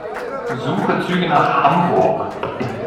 Suche Züge nach Hamburg.